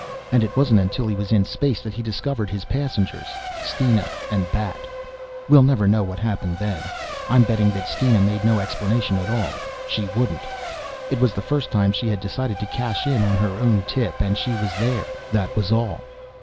And it wasn't until he was in space that he discovered his passengers Steena and Bat. We'll never know what happened then. I'm betting that Steena made no explanation at all. She wouldn't. It was the first time she had decided to cash in on her own tip and she was there that was all.